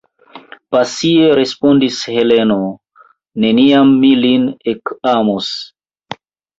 pasie respondis Heleno: neniam mi lin ekamos.